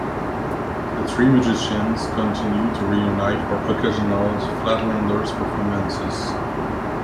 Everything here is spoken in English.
The three musicians continued to reunite for occasional Flatlanders performances.